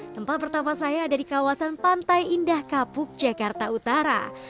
tempat pertama saya ada di kawasan pantai indah kapuk jakarta utara